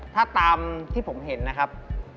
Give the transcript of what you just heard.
ถ้าตามที่ผมเห็นนะครับ